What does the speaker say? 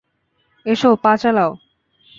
এসো, পা চালাও।